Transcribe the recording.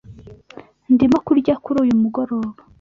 Ndimo kurya kuri uyu mugoroba.